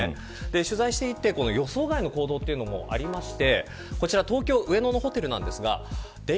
取材していて予想外の行動というのもありました。